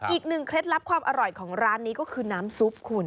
เคล็ดลับความอร่อยของร้านนี้ก็คือน้ำซุปคุณ